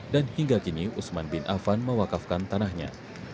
namun di sini usman bin afan mewakafkan tanahnya